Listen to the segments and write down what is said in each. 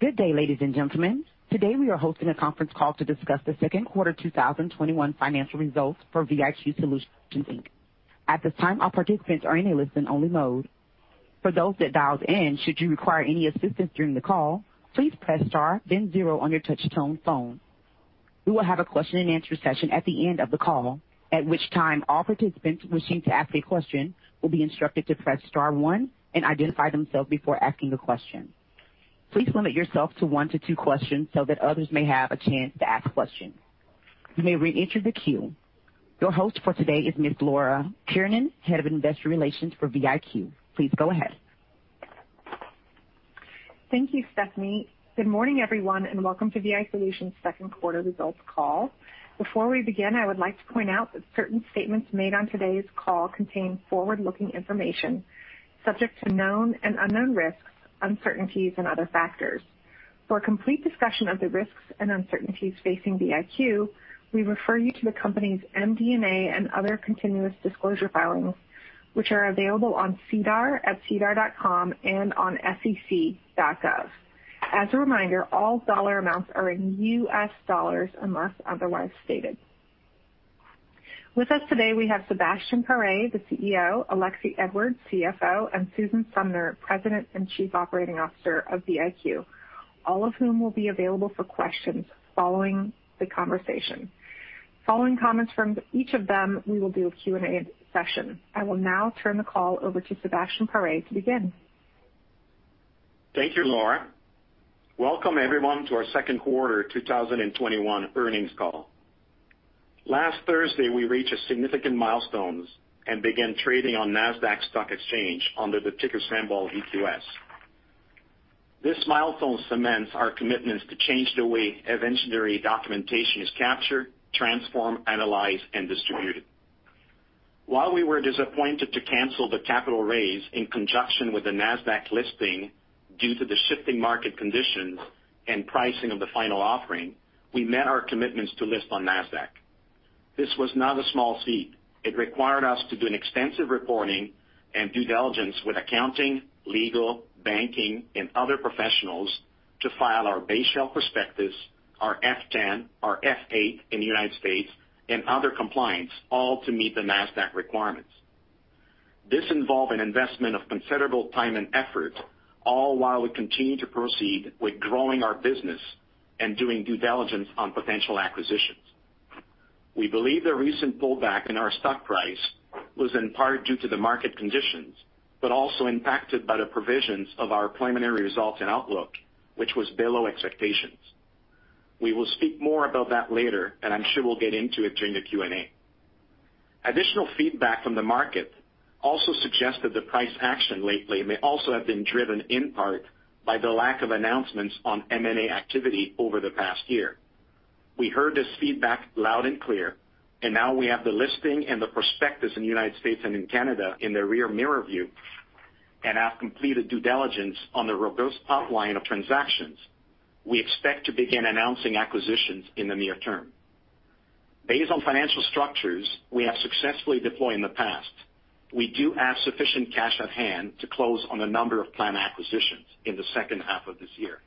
Good day, ladies and gentlemen. Today, we are hosting a conference call to discuss the Second Quarter 2021 Financial Results for VIQ Solutions Inc. At this time, all participants are in a listen-only mode. For those that dialed in, should you require any assistance during the call, please press star then zero on your touch-tone phone. We will have a question and answer session at the end of the call, at which time all participants wishing to ask a question will be instructed to press star one and identify themselves before asking a question. Please limit yourself to one to two questions so that others may have a chance to ask questions. You may re-enter the queue. Your host for today is Ms. Laura Kiernan, Head of Investor Relations for VIQ. Please go ahead. Thank you, Stephanie. Good morning, everyone, and welcome to VIQ Solutions second quarter results call. Before we begin, I would like to point out that certain statements made on today's call contain forward-looking information subject to known and unknown risks, uncertainties, and other factors. For a complete discussion of the risks and uncertainties facing VIQ, we refer you to the company's MD&A and other continuous disclosure filings, which are available on SEDAR at sedar.com and on sec.gov. As a reminder, all dollar amounts are in US dollars unless otherwise stated. With us today, we have Sebastien Paré, the CEO, Alexie Edwards, CFO, and Susan Sumner, President and Chief Operating Officer of VIQ, all of whom will be available for questions following the conversation. Following comments from each of them, we will do a Q&A session. I will now turn the call over to Sebastien Paré to begin. Thank you, Laura. Welcome, everyone, to our second quarter 2021 earnings call. Last Thursday, we reached a significant milestone and began trading on NASDAQ Stock Exchange under the ticker symbol VQS. This milestone cements our commitments to change the way engineering documentation is captured, transformed, analyzed, and distributed. While we were disappointed to cancel the capital raise in conjunction with the NASDAQ listing due to the shifting market conditions and pricing of the final offering, we met our commitments to list on NASDAQ. This was not a small feat. It required us to do an extensive reporting and due diligence with accounting, legal, banking, and other professionals to file our base shelf prospectus, our F-10, our 8-A in the United States, and other compliance, all to meet the NASDAQ requirements. This involved an investment of considerable time and effort, all while we continued to proceed with growing our business and doing due diligence on potential acquisitions. We believe the recent pullback in our stock price was in part due to the market conditions, but also impacted by the provisions of our preliminary results and outlook, which was below expectations. We will speak more about that later, and I'm sure we'll get into it during the Q&A. Additional feedback from the market also suggested the price action lately may also have been driven in part by the lack of announcements on M&A activity over the past year. We heard this feedback loud and clear, and now we have the listing and the prospectus in the United States and in Canada in the rear mirror view, and have completed due diligence on the robust pipeline of transactions. We expect to begin announcing acquisitions in the near term. Based on financial structures we have successfully deployed in the past, we do have sufficient cash at hand to close on a number of planned acquisitions in the second half of this year.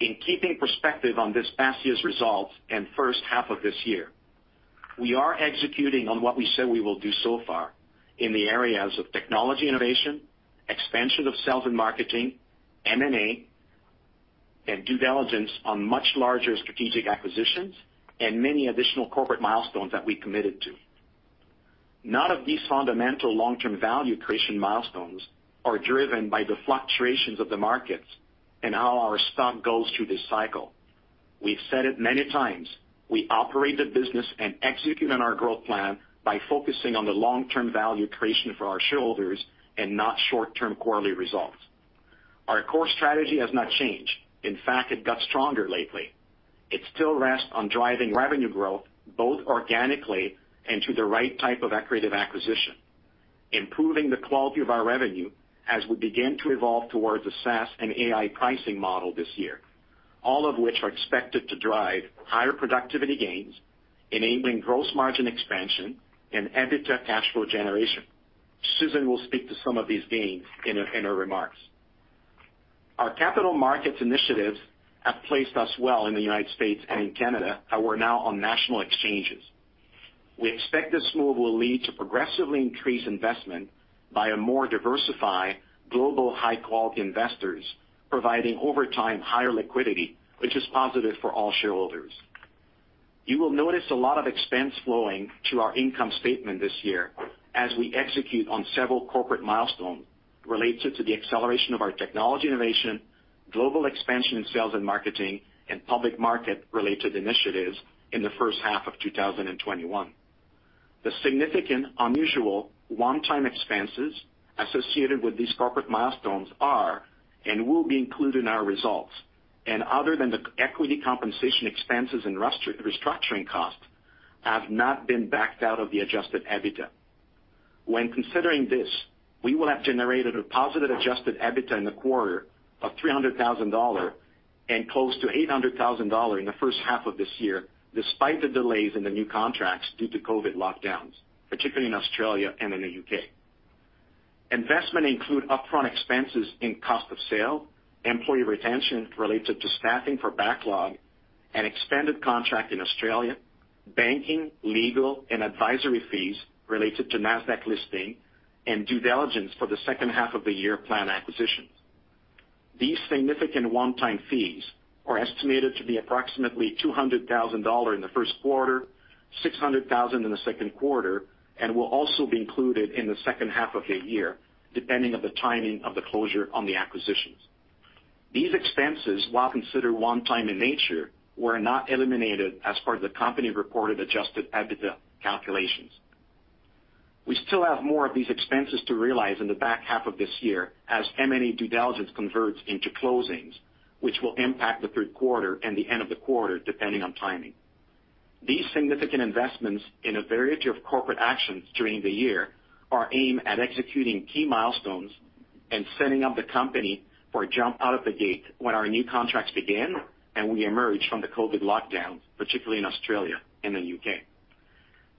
In keeping perspective on this past year's results and first half of this year, we are executing on what we said we will do so far in the areas of technology innovation, expansion of sales and marketing, M&A, and due diligence on much larger strategic acquisitions, and many additional corporate milestones that we committed to. None of these fundamental long-term value creation milestones are driven by the fluctuations of the markets and how our stock goes through this cycle. We've said it many times. We operate the business and execute on our growth plan by focusing on the long-term value creation for our shareholders and not short-term quarterly results. Our core strategy has not changed. In fact, it got stronger lately. It still rests on driving revenue growth both organically and to the right type of accretive acquisition, improving the quality of our revenue as we begin to evolve towards a SaaS and AI pricing model this year, all of which are expected to drive higher productivity gains, enabling gross margin expansion and EBITDA cash flow generation. Susan will speak to some of these gains in her remarks. Our capital markets initiatives have placed us well in the United States and in Canada, and we're now on national exchanges. We expect this move will lead to progressively increased investment by a more diversified global high-quality investors, providing over time, higher liquidity, which is positive for all shareholders. You will notice a lot of expense flowing through our income statement this year as we execute on several corporate milestones related to the acceleration of our technology innovation, global expansion in sales and marketing, and public market-related initiatives in the first half of 2021. The significant, unusual, one-time expenses associated with these corporate milestones are and will be included in our results, and other than the equity compensation expenses and restructuring costs, have not been backed out of the adjusted EBITDA. When considering this, we will have generated a positive adjusted EBITDA in the quarter of $300,000 and close to $800,000 in the first half of this year, despite the delays in the new contracts due to COVID lockdowns, particularly in Australia and in the U.K.. Investment include upfront expenses in cost of sale, employee retention related to staffing for backlog, and expanded contract in Australia, banking, legal, and advisory fees related to NASDAQ listing, and due diligence for the second half of the year planned acquisitions. These significant one-time fees are estimated to be approximately $200,000 in the first quarter, $600,000 in the second quarter, and will also be included in the second half of the year, depending on the timing of the closure on the acquisitions. These expenses, while considered one time in nature, were not eliminated as part of the company-reported adjusted EBITDA calculations. We still have more of these expenses to realize in the back half of this year as M&A due diligence converts into closings, which will impact the third quarter and the end of the quarter, depending on timing. These significant investments in a variety of corporate actions during the year are aimed at executing key milestones and setting up the company for a jump out of the gate when our new contracts begin and we emerge from the COVID lockdowns, particularly in Australia and the U.K.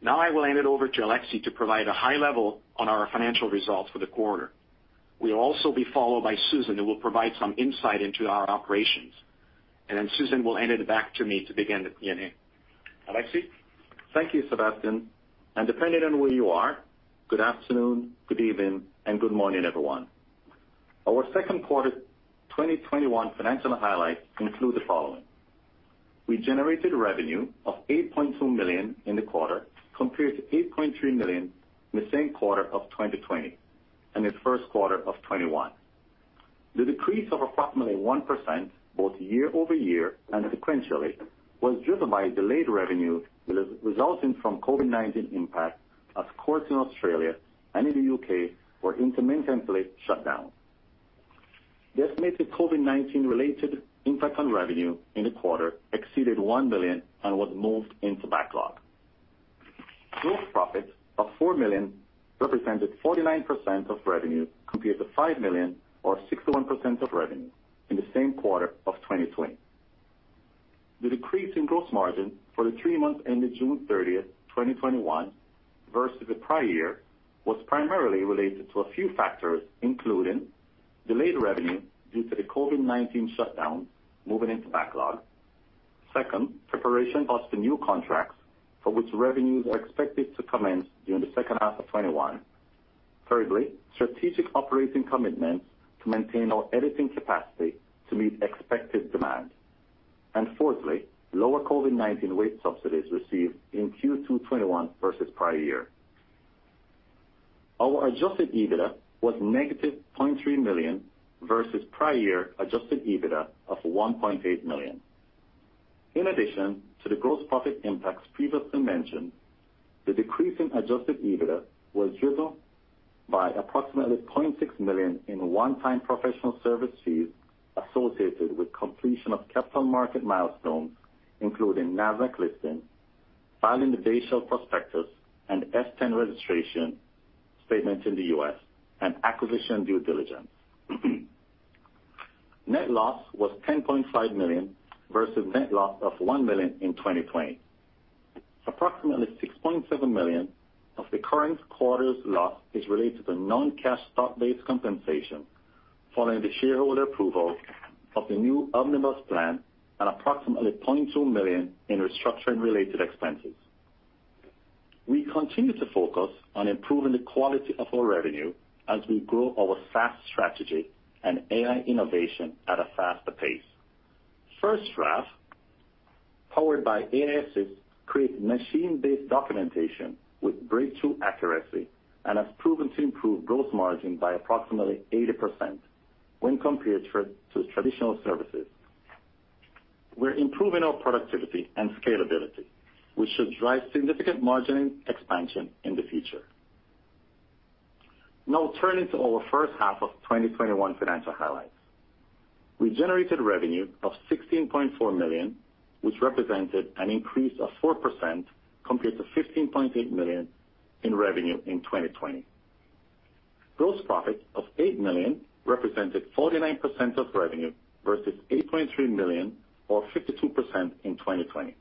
I will hand it over to Alexie to provide a high level on our financial results for the quarter. We'll also be followed by Susan, who will provide some insight into our operations. Susan will hand it back to me to begin the Q&A. Alexie? Thank you, Sebastien. Depending on where you are, good afternoon, good evening, and good morning, everyone. Our second quarter 2021 financial highlights include the following: We generated revenue of $8.2 million in the quarter compared to $8.3 million in the same quarter of 2020 and the first quarter of 2021. The decrease of approximately 1%, both year-over-year and sequentially, was driven by delayed revenue resulting from COVID-19 impact as courts in Australia and in the U.K. were intermittently shut down. The estimated COVID-19 related impact on revenue in the quarter exceeded $1 million and was moved into backlog. Gross profit of $4 million represented 49% of revenue compared to $5 million or 61% of revenue in the same quarter of 2020. The decrease in gross margin for the three months ended June 30th, 2021 versus the prior year was primarily related to a few factors, including delayed revenue due to the COVID-19 shutdown moving into backlog. Second, preparation of the new contracts for which revenues are expected to commence during the second half of 2021. Thirdly, strategic operating commitments to maintain our editing capacity to meet expected demand. And fourthly, lower COVID-19 wage subsidies received in Q2 2021 versus prior year. Our adjusted EBITDA was negative -$0.3 million versus prior-year adjusted EBITDA of $1.8 million. In addition to the gross profit impacts previously mentioned, the decrease in adjusted EBITDA was driven by approximately $0.6 million in one-time professional service fees associated with completion of capital market milestones, including NASDAQ listing, filing the base shelf prospectus and F-10 registration statement in the U.S., and acquisition due diligence. Net loss was $10.5 million versus net loss of $1 million in 2020. Approximately $6.7 million of the current quarter's loss is related to non-cash stock-based compensation following the shareholder approval of the new omnibus plan and approximately $0.2 million in restructuring related expenses. We continue to focus on improving the quality of our revenue as we grow our SaaS strategy and AI innovation at a faster pace. FirstDraft, powered by aiAssist, create machine-based documentation with breakthrough accuracy and has proven to improve gross margin by approximately 80% when compared to traditional services. We're improving our productivity and scalability, which should drive significant margin expansion in the future. Now turning to our first half of 2021 financial highlights. We generated revenue of $16.4 million, which represented an increase of 4% compared to $15.8 million in revenue in 2020. Gross profit of $8 million represented 49% of revenue versus $8.3 million or 52% in 2020.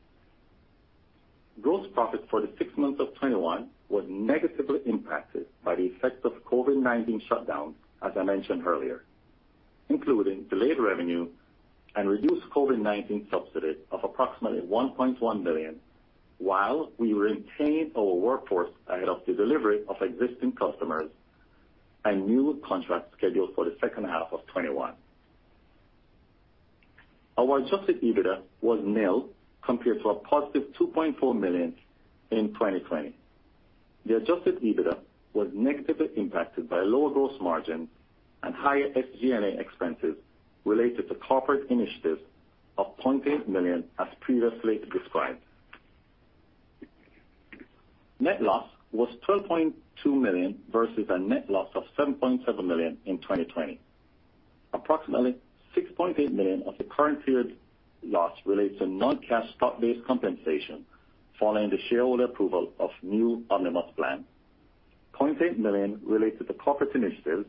Gross profit for the six months of 2021 was negatively impacted by the effect of COVID-19 shutdowns, as I mentioned earlier, including delayed revenue and reduced COVID-19 subsidies of approximately $1.1 million while we retained our workforce ahead of the delivery of existing customers and new contracts scheduled for the second half of 2021. Our adjusted EBITDA was nil compared to a positive $2.4 million in 2020. The adjusted EBITDA was negatively impacted by lower gross margin and higher SG&A expenses related to corporate initiatives of $0.8 million as previously described. Net loss was $12.2 million versus a net loss of $7.7 million in 2020. Approximately $6.8 million of the current period loss relates to non-cash stock-based compensation following the shareholder approval of new omnibus plan. A $0.8 million related to corporate initiatives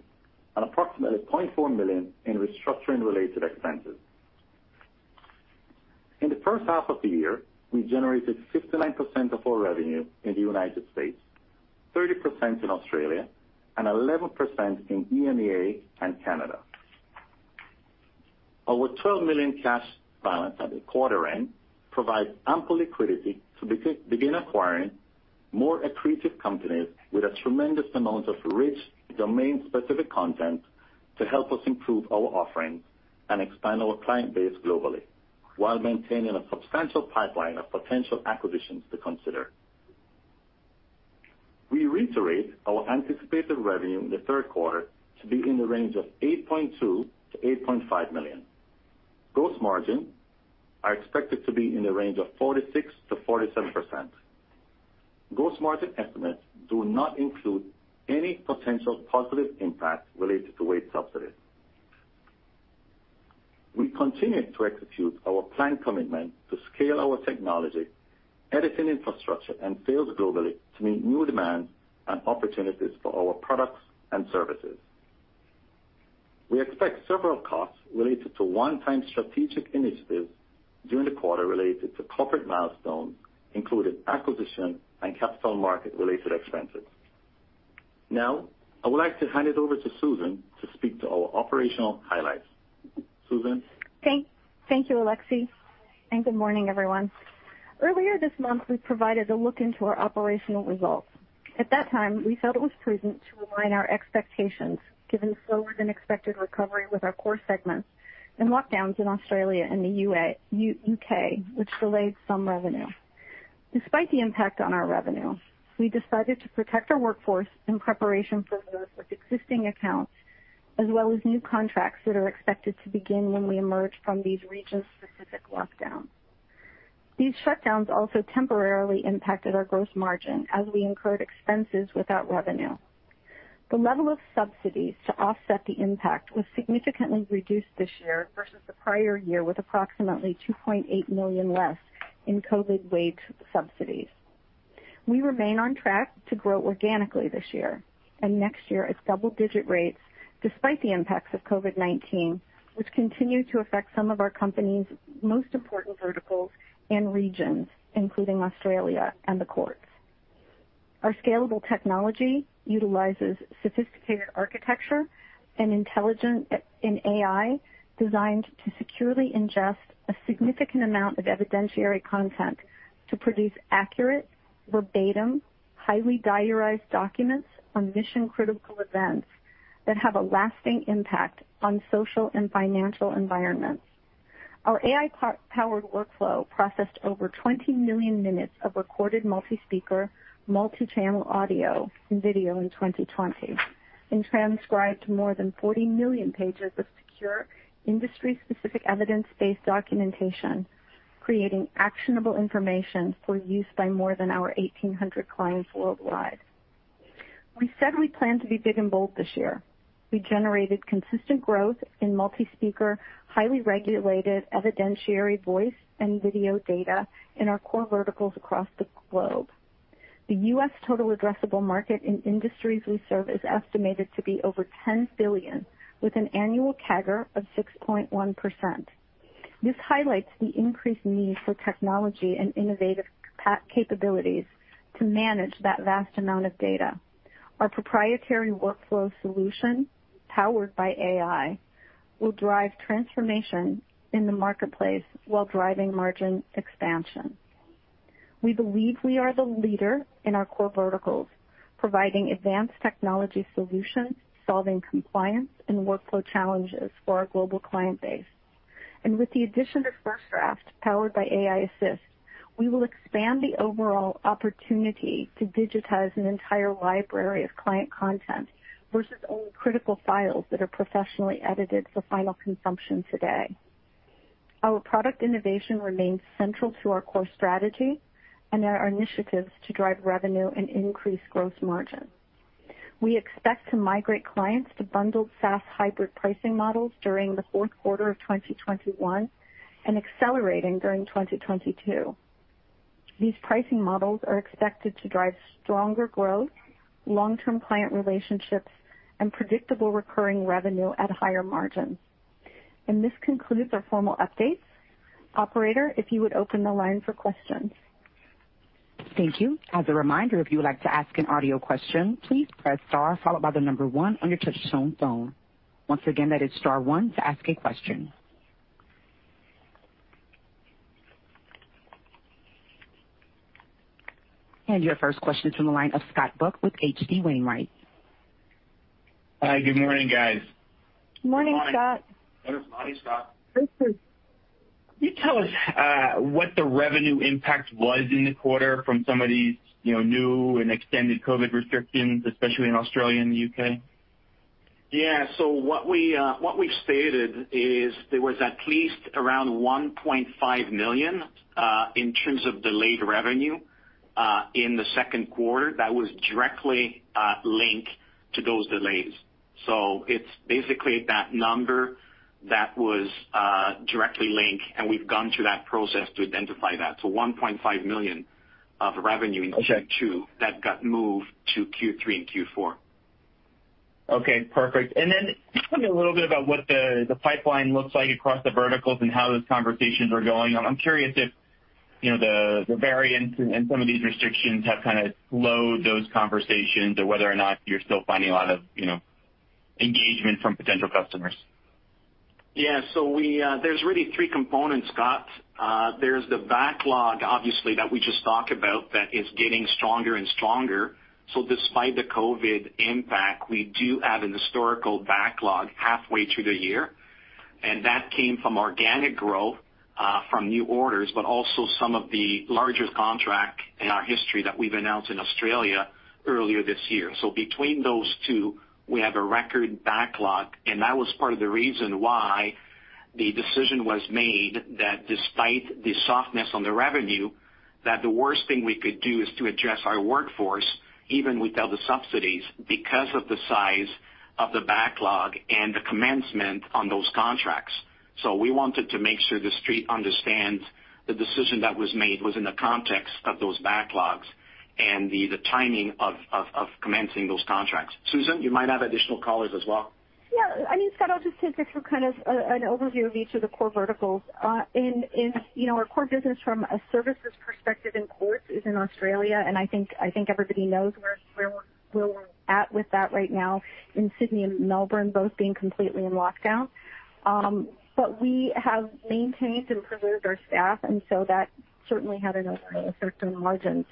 and approximately $0.4 million in restructuring related expenses. In the first half of the year, we generated 59% of our revenue in the United States, 30% in Australia, and 11% in EMEA and Canada. Our $12 million cash balance at the quarter end provides ample liquidity to begin acquiring more accretive companies with a tremendous amount of rich domain-specific content to help us improve our offerings and expand our client base globally while maintaining a substantial pipeline of potential acquisitions to consider. We reiterate our anticipated revenue in the third quarter to be in the range of $8.2 million-$8.5 million. Gross margin are expected to be in the range of 46%-47%. Gross margin estimates do not include any potential positive impact related to wage subsidies. We continue to execute our planned commitment to scale our technology, editing infrastructure, and sales globally to meet new demands and opportunities for our products and services. We expect several costs related to one-time strategic initiatives during the quarter related to corporate milestones, including acquisition and capital market-related expenses. Now, I would like to hand it over to Susan to speak to our operational highlights. Susan? Thank you, Alexie, Good morning, everyone. Earlier this month, we provided a look into our operational results. At that time, we felt it was prudent to align our expectations, given slower than expected recovery with our core segments and lockdowns in Australia and the U.K., which delayed some revenue. Despite the impact on our revenue, we decided to protect our workforce in preparation for the existing accounts, as well as new contracts that are expected to begin when we emerge from these region-specific lockdowns. These shutdowns also temporarily impacted our gross margin as we incurred expenses without revenue. The level of subsidies to offset the impact was significantly reduced this year versus the prior year, with approximately $2.8 million less in COVID wage subsidies. We remain on track to grow organically this year and next year at double-digit rates despite the impacts of COVID-19, which continue to affect some of our company's most important verticals and regions, including Australia and the courts. Our scalable technology utilizes sophisticated architecture and intelligence in AI designed to securely ingest a significant amount of evidentiary content to produce accurate verbatim, highly diarized documents on mission-critical events that have a lasting impact on social and financial environments. Our AI-powered workflow processed over 20 million minutes of recorded multi-speaker, multi-channel audio and video in 2020 and transcribed more than 40 million pages of secure, industry-specific, evidence-based documentation, creating actionable information for use by more than our 1,800 clients worldwide. We said we plan to be big and bold this year. We generated consistent growth in multi-speaker, highly regulated, evidentiary voice, and video data in our core verticals across the globe. The U.S. total addressable market in industries we serve is estimated to be over $10 billion with an annual CAGR of 6.1%. This highlights the increased need for technology and innovative capabilities to manage that vast amount of data. Our proprietary workflow solution, powered by AI, will drive transformation in the marketplace while driving margin expansion. We believe we are the leader in our core verticals, providing advanced technology solutions, solving compliance and workflow challenges for our global client base. With the addition of FirstDraft, powered by aiAssist, we will expand the overall opportunity to digitize an entire library of client content versus only critical files that are professionally edited for final consumption today. Our product innovation remains central to our core strategy and our initiatives to drive revenue and increase gross margin. We expect to migrate clients to bundled SaaS hybrid pricing models during the fourth quarter of 2021 and accelerating during 2022. These pricing models are expected to drive stronger growth, long-term client relationships, and predictable recurring revenue at higher margins. This concludes our formal updates. Operator, if you would open the line for questions. Thank you. As a reminder, if you would like to ask an audio question, please press star followed by 1 on your touchtone phone. Once again, that is star one to ask a question. Your first question is from the line of Scott Buck with H.C. Wainwright. Hi, good morning, guys. Morning, Scott. Good morning, Scott. This is—can you tell us. What the revenue impact was in the quarter from some of these new and extended COVID-19 restrictions, especially in Australia and the U.K.? Yeah. What we've stated is there was at least around $1.5 million in terms of delayed revenue in the second quarter that was directly linked to those delays. So it's basically that number that was directly linked, and we've gone through that process to identify that. A $1.5 million of revenue in Q2— Okay. that got moved to Q3 and Q4. Okay, perfect. And then, can you talk a little bit about what the pipeline looks like across the verticals and how those conversations are going? I'm curious if, you know, the variants and some of these restrictions have kind of slowed those conversations or whether or not you're still finding a lot of engagement from potential customers. Yes, there's really three components, Scott. There's the backlog, obviously, that we just talked about that is getting stronger and stronger. Despite the COVID impact, we do have a historical backlog halfway through the year, and that came from organic growth, from new orders, but also some of the largest contract in our history that we've announced in Australia earlier this year. Between those two, we have a record backlog, and that was part of the reason why the decision was made that despite the softness on the revenue, that the worst thing we could do is to adjust our workforce, even without the subsidies, because of the size of the backlog and the commencement on those contracts. So we wanted to make sure the street understands the decision that was made was in the context of those backlogs and the timing of commencing those contracts. Susan, you might have additional color as well. Yeah. I mean, Scott, I'll just take different kind of an overview of each of the core verticals. In, you know, our core business from a services perspective in courts is in Australia, and I think everybody knows where we're at with that right now in Sydney and Melbourne both being completely in lockdown. But we have maintained and preserved our staff, that certainly had an effect on margins.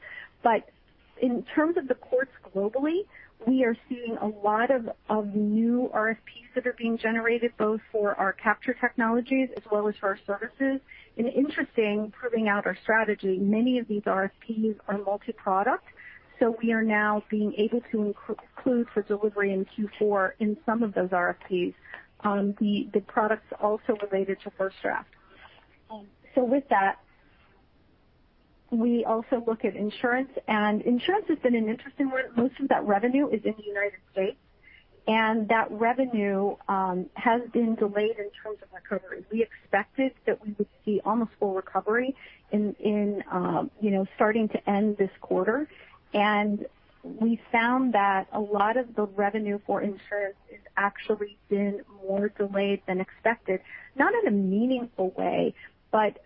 In terms of the courts globally, we are seeing a lot of new RFPs that are being generated, both for our capture technologies as well as for our services. Interesting, proving out our strategy, many of these RFPs are multi-product. So we are now being able to include for delivery in Q4 in some of those RFPs, the products also related to FirstDraft. With that, we also look at insurance, and insurance has been an interesting one. Most of that revenue is in the United States, and that revenue has been delayed in terms of recovery. We expected that we would see almost full recovery in starting to end this quarter. We found that a lot of the revenue for insurance has actually been more delayed than expected, not in a meaningful way, but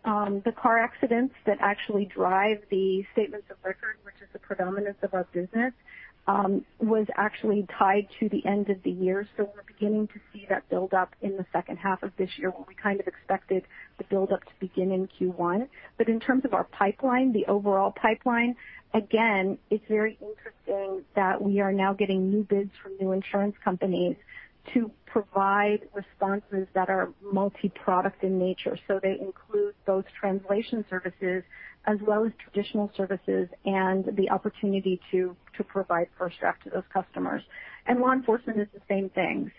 the car accidents that actually drive the statements of record, which is the predominance of our business, was actually tied to the end of the year. We're beginning to see that build up in the second half of this year, where we kind of expected the buildup to begin in Q1. In terms of our pipeline, the overall pipeline, again, it's very interesting that we are now getting new bids from new insurance companies to provide responses that are multi-product in nature. They include both translation services as well as traditional services and the opportunity to provide FirstDraft to those customers. Law enforcement is the same thing.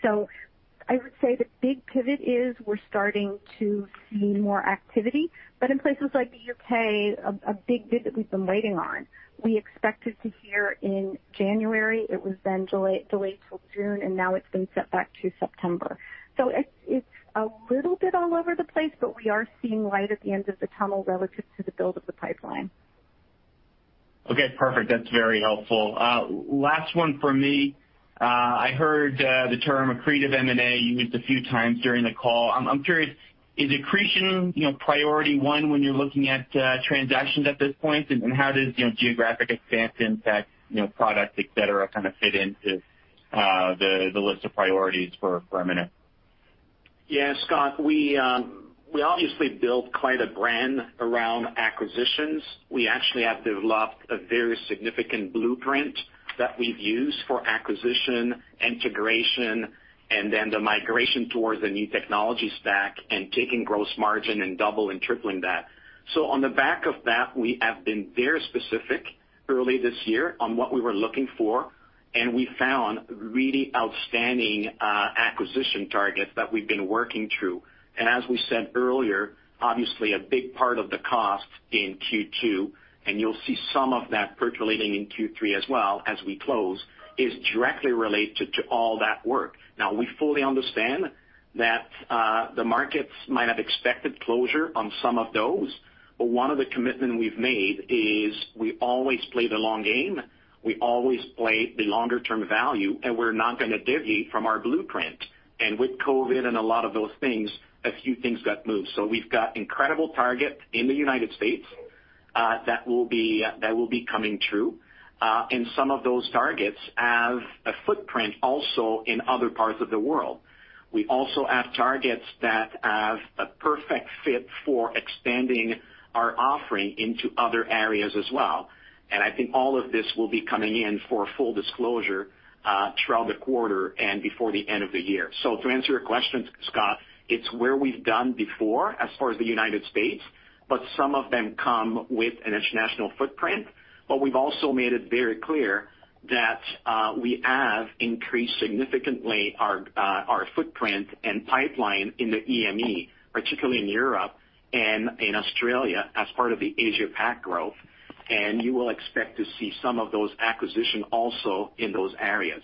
I would say the big pivot is we're starting to see more activity. But in places like the U.K., a big bid that we've been waiting on, we expected to hear in January, it was then delayed till June, and now it's been set back to September. It's a little bit all over the place, but we are seeing light at the end of the tunnel relative to the build of the pipeline. Okay, perfect. That's very helpful. Last one from me. I heard the term accretive M&A used a few times during the call. I'm curious, is accretion, you know, priority one when you're looking at transactions at this point? How does geographic expanse impact product, et cetera, kind of fit into the list of priorities for a minute? Yeah, Scott, we obviously built quite a brand around acquisitions. We actually have developed a very significant blueprint that we've used for acquisition, integration, and then the migration towards a new technology stack and taking gross margin and double and tripling that. On the back of that, we have been very specific early this year on what we were looking for, and we found really outstanding acquisition targets that we've been working through. As we said earlier, obviously a big part of the cost in Q2, and you'll see some of that percolating in Q3 as well as we close, is directly related to all that work. Now, we fully understand that the markets might have expected closure on some of those, but one of the commitment we've made is we always play the long game. We always play the longer-term value, and we're not going to deviate from our blueprint. With COVID and a lot of those things, a few things got moved. We've got incredible targets in the U.S. that will be coming through. Some of those targets have a footprint also in other parts of the world. We also have targets that have a perfect fit for expanding our offering into other areas as well. And I think all of this will be coming in for full disclosure throughout the quarter and before the end of the year. To answer your question, Scott, it's where we've done before as far as the U.S., but some of them come with an international footprint. But we've also made it very clear that we have increased significantly our footprint and pipeline in the EMEA, particularly in Europe and in Australia as part of the Asia Pac growth. You will expect to see some of those acquisition also in those areas.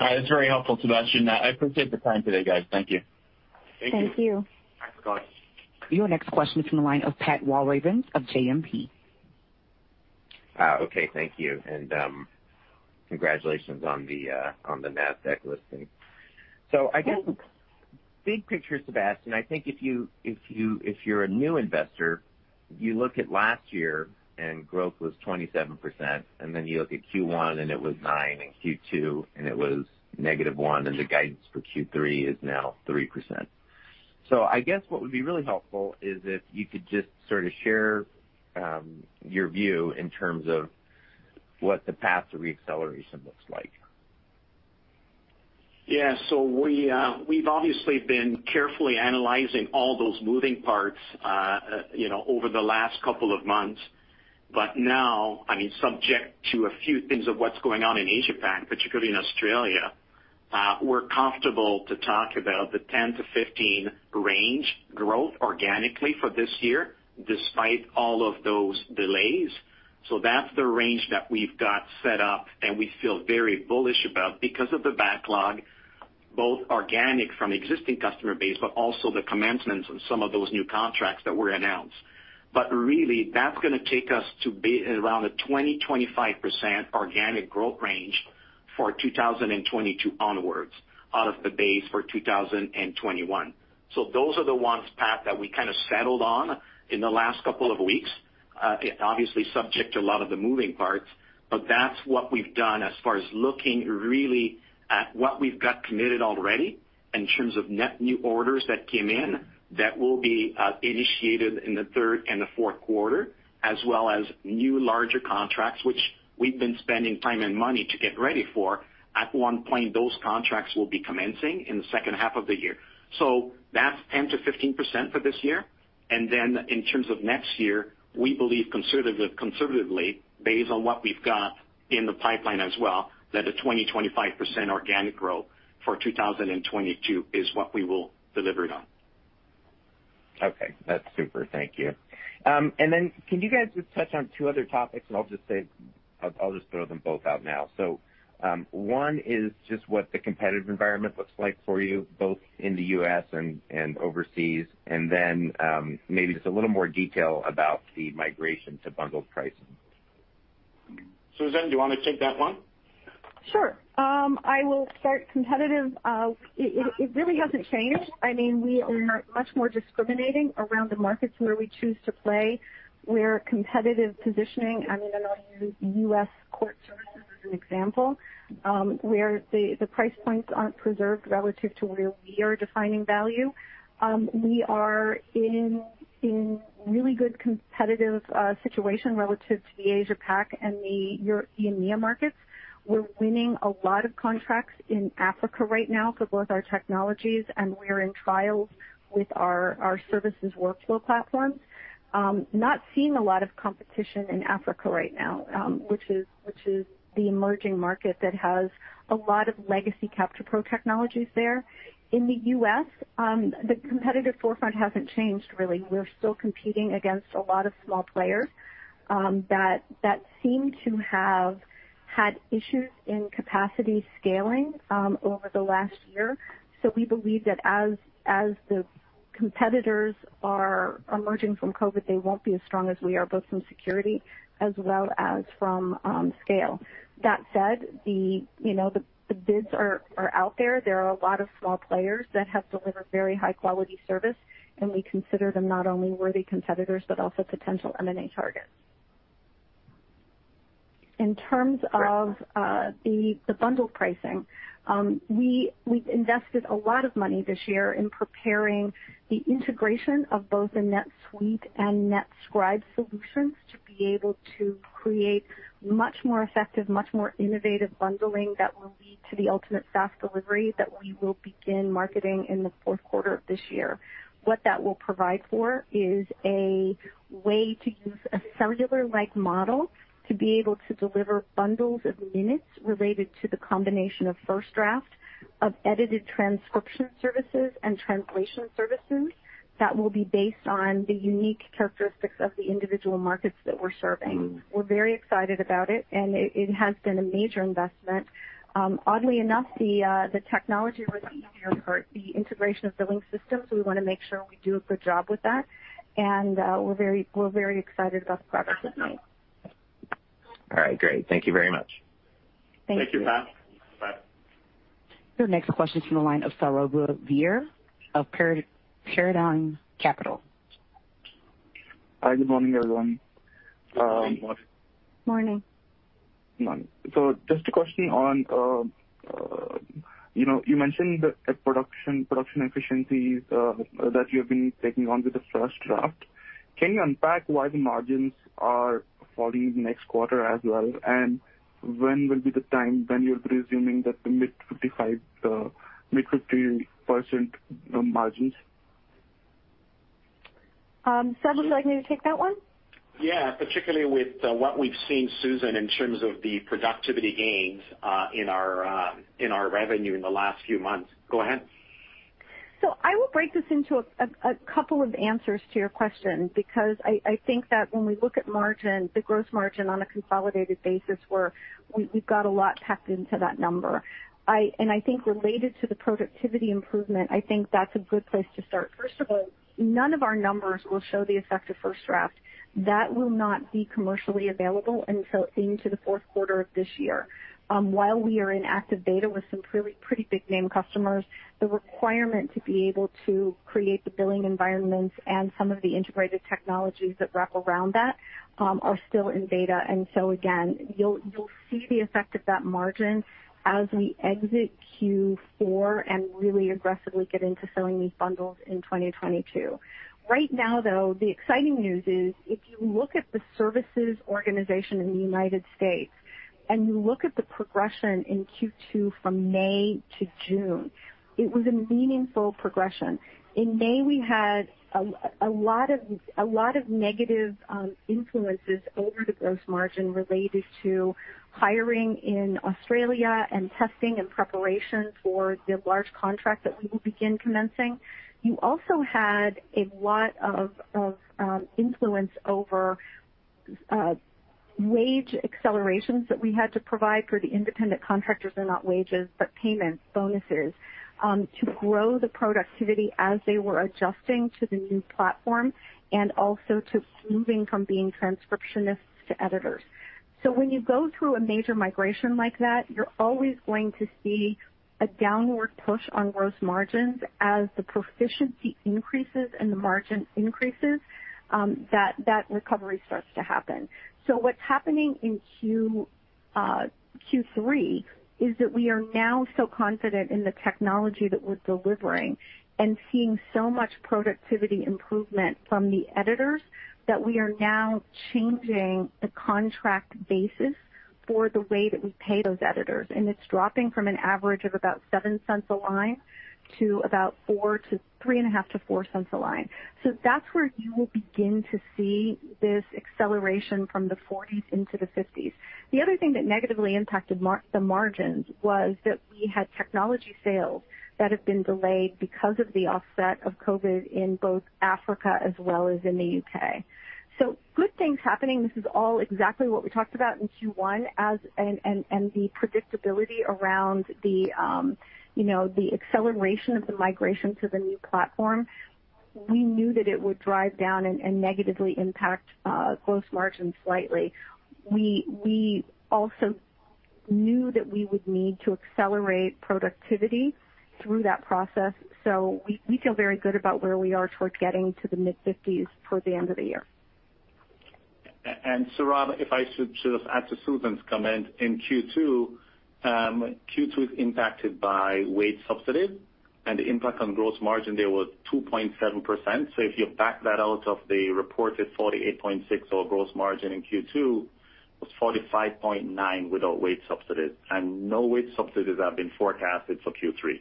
That's very helpful, Sebastien. I appreciate the time today, guys. Thank you. Thank you. Thank you. Thanks for calling. Your next question is from the line of Pat Walravens of JMP. Okay, thank you, and congratulations on the Nasdaq listing. Big picture, Sebastien, I think if you're a new investor, you look at last year and growth was 27%, and then you look at Q1 and it was 9%, and Q2 and it was -1%, and the guidance for Q3 is now 3%. So, I guess what would be really helpful is if you could just sort of share your view in terms of what the path to re-acceleration looks like? Yeah. We've obviously been carefully analyzing all those moving parts over the last couple of months, but now, subject to a few things of what's going on in Asia-Pac, particularly in Australia, we're comfortable to talk about the 10%-15% range growth organically for this year, despite all of those delays. That's the range that we've got set up and we feel very bullish about because of the backlog, both organic from existing customer base, but also the commencements on some of those new contracts that were announced. Really, that's going to take us to around a 20%-25% organic growth range for 2022 onwards, out of the base for 2021. Those are the ones, Pat, that we kind of settled on in the last couple of weeks. Obviously, subject to a lot of the moving parts, that's what we've done as far as looking really at what we've got committed already in terms of net new orders that came in that will be initiated in the third and fourth quarter, as well as new larger contracts, which we've been spending time and money to get ready for. At one point, those contracts will be commencing in the second half of the year. That's 10%-15% for this year. In terms of next year, we believe conservatively, based on what we've got in the pipeline as well, that a 20%-25% organic growth for 2022 is what we will deliver on. Okay. That's super. Thank you. Then can you guys just touch on two other topics, and I'll just throw them both out now. One is just what the competitive environment looks like for you, both in the U.S. and overseas, and then maybe just a little more detail about the migration to bundled pricing? Susan, do you want to take that one? Sure. I will start competitive. It really hasn't changed. We are much more discriminating around the markets where we choose to play, where competitive positioning, and I'll use U.S. court services as an example, where the price points aren't preserved relative to where we are defining value. We are in really good competitive situation relative to the Asia Pac and the EMEA markets. We're winning a lot of contracts in Africa right now for both our technologies, and we're in trials with our services workflow platforms. Not seeing a lot of competition in Africa right now, which is the emerging market that has a lot of legacy CapturePro technologies there. In the U.S., the competitive forefront hasn't changed, really. We're still competing against a lot of small players that seem to have had issues in capacity scaling over the last year. We believe that as the competitors are emerging from COVID, they won't be as strong as we are, both from security as well as from scale. That said, the bids are out there. There are a lot of small players that have delivered very high-quality service, and we consider them not only worthy competitors, but also potential M&A targets. In terms of the bundled pricing, we invested a lot of money this year in preparing the integration of both the NetSuite and NetScribe solutions to be able to create much more effective, much more innovative bundling that will lead to the ultimate SaaS delivery that we will begin marketing in the fourth quarter of this year. What that will provide for is a way to use a cellular-like model to be able to deliver bundles of minutes related to the combination of FirstDraft of edited transcription services and translation services that will be based on the unique characteristics of the individual markets that we're serving. We're very excited about it, and it has been a major investment. Oddly enough, the technology was easier for the integration of billing systems, so we want to make sure we do a good job with that. We're very excited about the progress we've made. All right. Great. Thank you very much. Thank you. Thank you, Pat. Bye. Your next question is from the line of Saurabh Dhir of Paradigm Capital. Hi, good morning, everyone. Good morning. Morning. Morning. Just a question on, you know, you mentioned the production efficiencies that you have been taking on with the FirstDraft. Can you unpack why the margins are falling next quarter as well? When will be the time when you're presuming that the mid-50% margins? Sebastian, would like me to take that one? Yeah. Particularly with what we've seen, Susan, in terms of the productivity gains in our revenue in the last few months. Go ahead. I will break this into a couple of answers to your question, because I think that when we look at margin, the gross margin on a consolidated basis where we've got a lot packed into that number. I think related to the productivity improvement, I think that's a good place to start. First of all, none of our numbers will show the effect of FirstDraft. That will not be commercially available until into the fourth quarter of this year. While we are in active beta with some pretty big name customers, the requirement to be able to create the billing environments and some of the integrated technologies that wrap around that, are still in beta. Again, you'll see the effect of that margin as we exit Q4 and really aggressively get into selling these bundles in 2022. Right now, though, the exciting news is if you look at the services organization in the U.S., and you look at the progression in Q2 from May to June, it was a meaningful progression. In May, we had a lot of negative influences over the gross margin related to hiring in Australia and testing and preparation for the large contract that we will begin commencing. You also had a lot of influence over wage accelerations that we had to provide for the independent contractors. They're not wages, but payments, bonuses, to grow the productivity as they were adjusting to the new platform and also to moving from being transcriptionists to editors. When you go through a major migration like that, you're always going to see a downward push on gross margins. As the proficiency increases and the margin increases, that recovery starts to happen. What's happening in Q3 is that we are now so confident in the technology that we're delivering and seeing so much productivity improvement from the editors that we are now changing the contract basis for the way that we pay those editors. It's dropping from an average of about $0.07 a line to about $0.035-$0.04 a line. That's where you will begin to see this acceleration from the 40s into the 50s. The other thing that negatively impacted the margins was that we had technology sales that have been delayed because of the offset of COVID-19 in both Africa as well as in the U.K.. Good things happening. This is all exactly what we talked about in Q1 and the predictability around the, you know, acceleration of the migration to the new platform. We knew that it would drive down and negatively impact gross margin slightly. We also knew that we would need to accelerate productivity through that process. We feel very good about where we are towards getting to the mid-50s toward the end of the year. Saurabh, if I should just add to Susan's comment, in Q2 is impacted by wage subsidies, and the impact on gross margin there was 2.7%. If you back that out of the reported 48.6% of gross margin in Q2, it was 45.9% without wage subsidies, and no wage subsidies have been forecasted for Q3.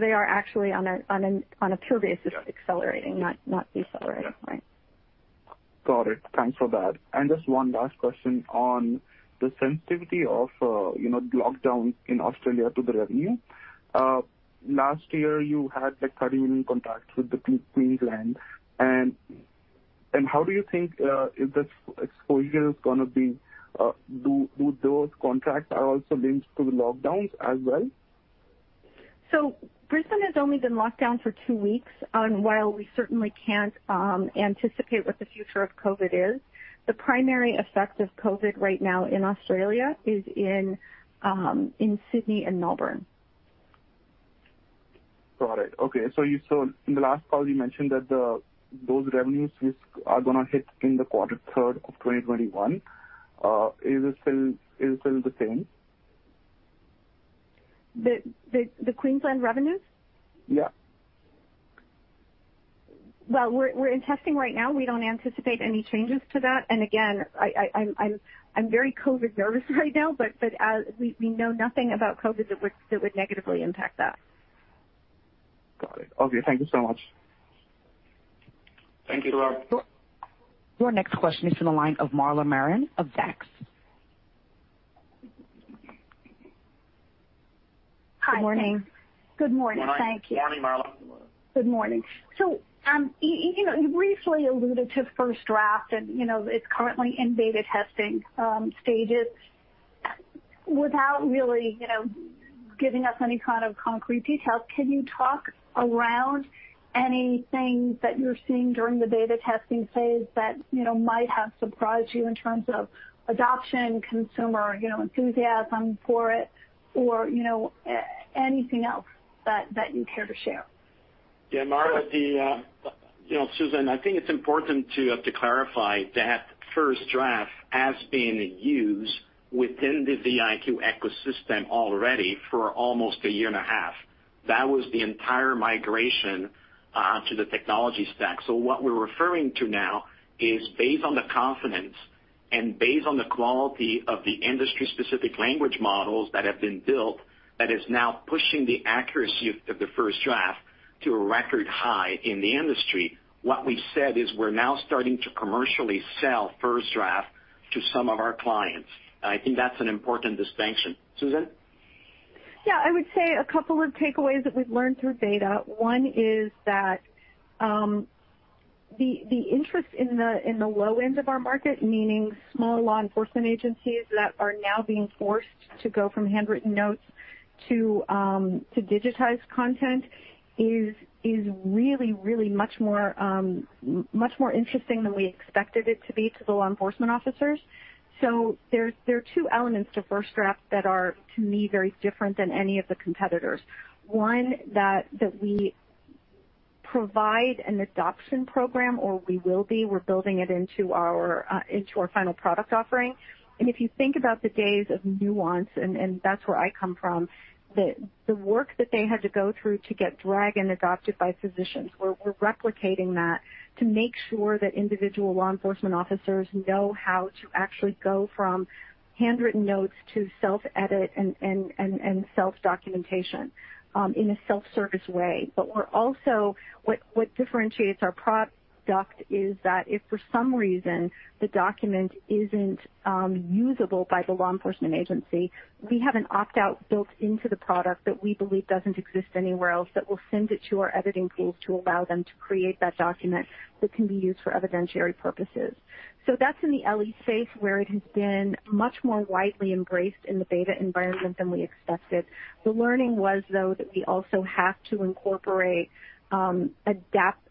They are actually, on a pure basis— Yeah. accelerating, not decelerating. Yeah. Right. Got it. Thanks for that. Just one last question on the sensitivity of, you know, lockdowns in Australia to the revenue. Last year, you had the $30 million contract with the Queensland, and how do you think this exposure is going to be? Do those contracts are also linked to the lockdowns as well? So Brisbane has only been locked down for two weeks, and while we certainly can't anticipate what the future of COVID is, the primary effect of COVID right now in Australia is in Sydney and Melbourne. Got it. Okay. In the last call, you mentioned that those revenues risks are going to hit in the quarter third of 2021. Is it still the same? The Queensland revenues? Yeah. Well, we're in testing right now. We don't anticipate any changes to that. Again, I'm very COVID nervous right now, but we know nothing about COVID that would negatively impact that. Got it. Okay. Thank you so much. Thank you, Saurabh. Your next question is to the line of Marla Marin of Zacks. Hi. Good morning. Good morning. Thank you. Good morning, Marla. Good morning. You know, briefly alluded to FirstDraft, and, you know, it's currently in beta testing stages. Without really, you know, giving us any kind of concrete details, can you talk around anything that you're seeing during the beta testing phase that, you know, might have surprised you in terms of adoption, consumer, you know, enthusiasm for it, or anything else that you care to share? Yeah, Marla. Susan, I think it's important to clarify that FirstDraft has been in use within the VIQ ecosystem already for almost a year and a half. That was the entire migration to the technology stack. What we're referring to now is based on the confidence and based on the quality of the industry-specific language models that have been built, that is now pushing the accuracy of the FirstDraft to a record high in the industry. What we've said is we're now starting to commercially sell FirstDraft to some of our clients. I think that's an important distinction. Susan? Yeah, I would say two takeaways that we've learned through beta. One is that the interest in the low end of our market, meaning small law enforcement agencies that are now being forced to go from handwritten notes to digitized content is really much more interesting than we expected it to be to the law enforcement officers. There are two elements to FirstDraft that are, to me, very different than any of the competitors. One, that we provide an adoption program, or we're building it into our final product offering. If you think about the days of Nuance, and that's where I come from, the work that they had to go through to get Dragon adopted by physicians, we're replicating that to make sure that individual law enforcement officers know how to actually go from handwritten notes to self-edit and self-documentation in a self-service way. What differentiates our product is that if for some reason the document isn't usable by the law enforcement agency, we have an opt-out built into the product that we believe doesn't exist anywhere else that will send it to our editing tools to allow them to create that document that can be used for evidentiary purposes. That's in the LE space where it has been much more widely embraced in the beta environment than we expected. The learning was, though, that we also have to incorporate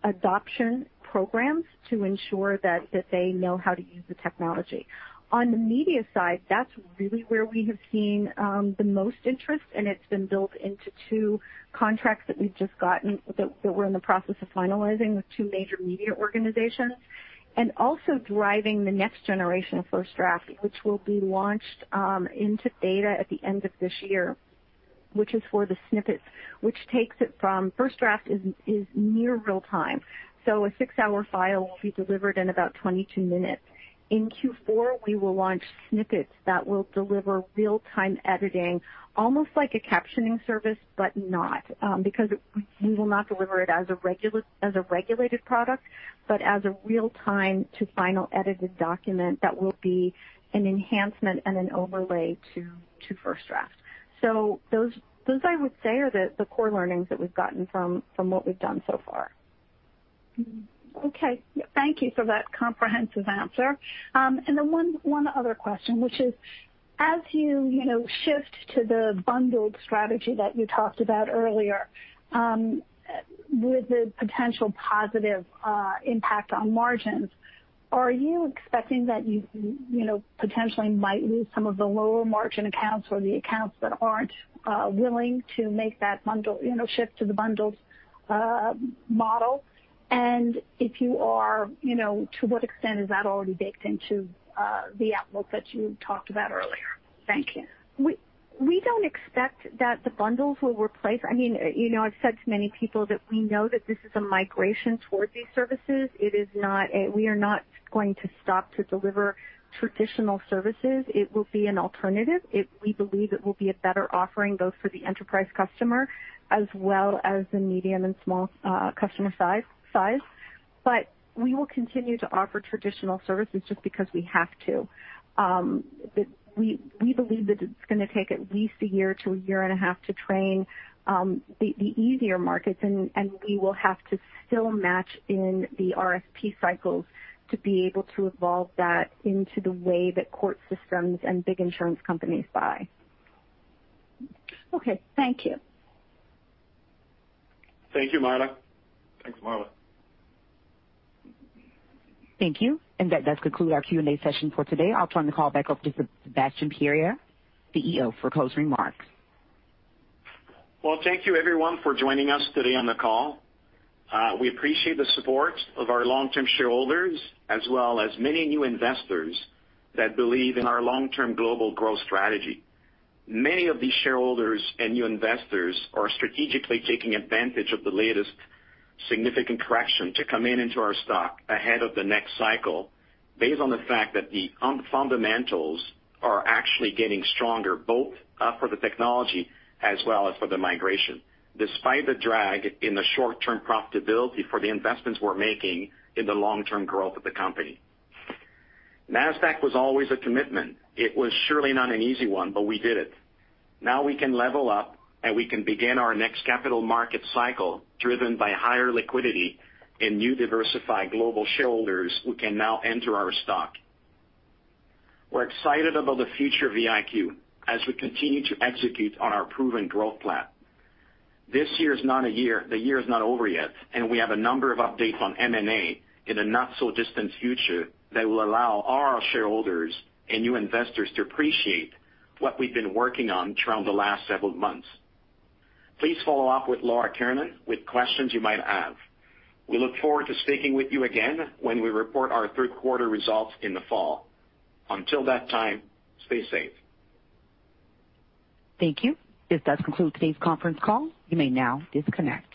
adoption programs to ensure that they know how to use the technology. On the media side, that's really where we have seen the most interest, and it's been built into two contracts that we've just gotten that we're in the process of finalizing with two major media organizations. Also driving the next generation of FirstDraft, which will be launched into beta at the end of this year, which is for the snippets. FirstDraft is near real-time, so a six-hour file will be delivered in about 22 minutes. In Q4, we will launch snippets that will deliver real-time editing, almost like a captioning service, but not, because we will not deliver it as a regulated product, but as a real-time to final edited document that will be an enhancement and an overlay to FirstDraft. Those, I would say, are the core learnings that we've gotten from what we've done so far. Okay. Thank you for that comprehensive answer. Then one other question, which is, as you shift to the bundled strategy that you talked about earlier with the potential positive impact on margins, are you expecting that you potentially might lose some of the lower margin accounts or the accounts that aren't willing to make that shift to the bundled model? If you are, to what extent is that already baked into the outlook that you talked about earlier? Thank you. We don't expect that the bundles will replace. You know, I've said to many people that we know that this is a migration towards these services. We are not going to stop to deliver traditional services. It will be an alternative. We believe it will be a better offering, both for the enterprise customer as well as the medium and small customer size. We will continue to offer traditional services just because we have to. We believe that it's going to take at least a year to a year and a half to train the easier markets, and we will have to still match in the RFP cycles to be able to evolve that into the way that court systems and big insurance companies buy. Okay. Thank you. Thank you, Marla. Thanks, Marla. Thank you. That does conclude our Q&A session for today. I'll turn the call back over to Sebastien Paré, CEO, for closing remarks. Well, thank you, everyone, for joining us today on the call. We appreciate the support of our long-term shareholders as well as many new investors that believe in our long-term global growth strategy. Many of these shareholders and new investors are strategically taking advantage of the latest significant correction to come into our stock ahead of the next cycle based on the fact that the fundamentals are actually getting stronger, both for the technology as well as for the migration, despite the drag in the short-term profitability for the investments we're making in the long-term growth of the company. Nasdaq was always a commitment. It was surely not an easy one, but we did it. Now we can level up, and we can begin our next capital market cycle driven by higher liquidity and new diversified global shareholders who can now enter our stock. We're excited about the future of VIQ as we continue to execute on our proven growth plan. The year is not over yet, and we have a number of updates on M&A in the not-so-distant future that will allow our shareholders and new investors to appreciate what we've been working on throughout the last several months. Please follow up with Laura Kiernan with questions you might have. We look forward to speaking with you again when we report our third quarter results in the fall. Until that time, stay safe. Thank you. This does conclude today's conference call. You may now disconnect.